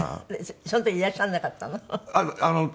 その時いらっしゃらなかったの？